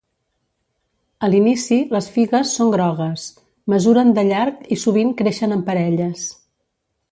A l'inici, les figues són grogues, mesuren de llarg i sovint creixen en parelles.